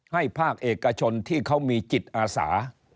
ภาคเอกชนที่เขามีจิตอาสา